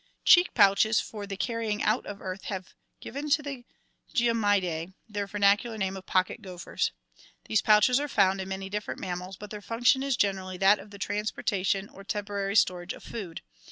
Cheek pouches for the carrying out of earth have given to the Geomy idae their vernacular name of pocket gophers. These pouches are found in many different mammals but their function is gener ally that of the transportation or temporary storage of food.